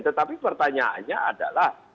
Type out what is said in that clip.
tetapi pertanyaannya adalah